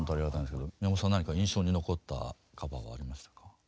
宮本さん何か印象に残ったカバーはありましたか？